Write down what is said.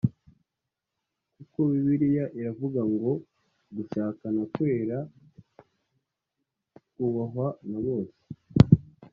kuko Bibiliya iravuga ngo gushakana kwera kubahwe na bose